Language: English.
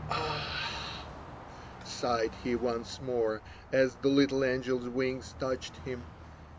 "A h h!" sighed he once more as the little angel's wings touched him.